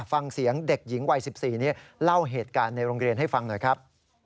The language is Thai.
ฟังเสียงเด็กหญิงวัย๑๔นี้เล่าเหตุการณ์ในโรงเรียนให้ฟังหน่อยครับ